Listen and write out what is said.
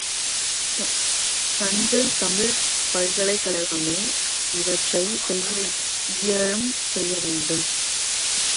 தஞ்சைத் தமிழ்ப் பல்கலைக்கழகமே இவற்றைச் செய்ய இயலும் செய்யவேண்டும்.